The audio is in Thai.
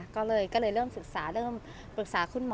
ก็เลยเริ่มศึกษาเริ่มปรึกษาคุณหมอ